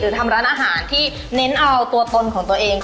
ทำร้านอาหารที่เน้นเอาตัวตนของตัวเอง